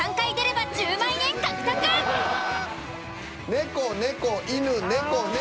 「猫」「猫」「犬」「猫」「猫」「猫」「猫」。